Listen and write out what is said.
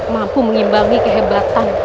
mampu mengimbangi kehebatan